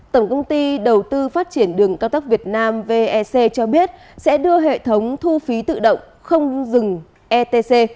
tổng công ty đầu tư phát triển đường cao tốc việt nam vec cho biết sẽ đưa hệ thống thu phí tự động không dừng etc